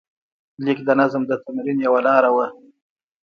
لیک د نظم د تمرین یوه لاره وه.